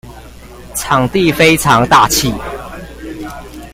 場地非常大氣